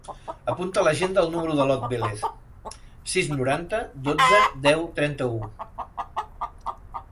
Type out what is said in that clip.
Apunta a l'agenda el número de l'Ot Velez: sis, noranta, dotze, deu, trenta-u.